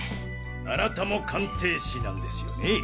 あなたも鑑定士なんですよね？